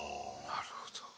なるほど。